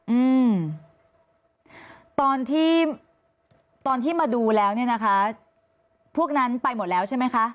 อืมตอนที่ตอนที่มาดูแล้วเนี่ยนะคะพวกนั้นไปหมดแล้วใช่ไหมคะ